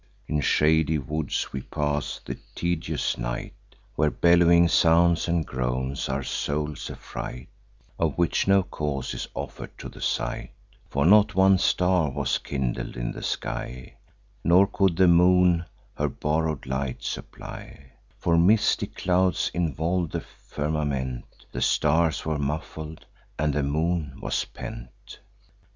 In shady woods we pass the tedious night, Where bellowing sounds and groans our souls affright, Of which no cause is offer'd to the sight; For not one star was kindled in the sky, Nor could the moon her borrow'd light supply; For misty clouds involv'd the firmament, The stars were muffled, and the moon was pent.